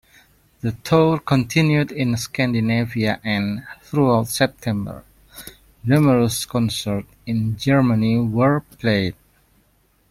The tour continued in Scandinavia and, throughout September, numerous concerts in Germany were played.